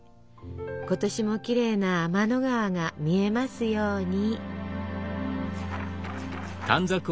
今年もきれいな天の川が見えますように。